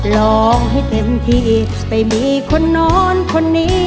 ร้องให้เต็มที่ไปมีคนนอนคนนี้